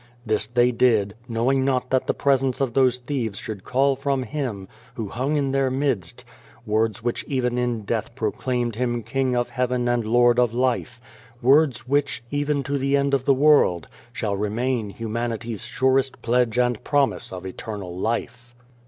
This they did, knowing not that the presence of those thieves should call from Him, who hung in their midst, words which even in death proclaimed Him King of Heaven and Lord of Life ; words which, even to the end of the world, shall remain humanity's surest pledge and promise of eternal life.